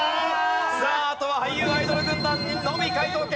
さああとは俳優・アイドル軍団のみ解答権。